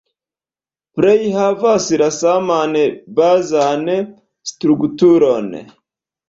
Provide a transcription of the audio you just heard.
Plej havas la saman bazan strukturon.